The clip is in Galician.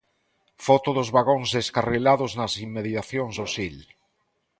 Foto dos vagóns descarrilados nas inmediacións do Sil.